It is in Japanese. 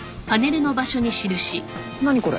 何これ。